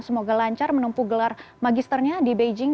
semoga lancar menempuh gelar magisternya di beijing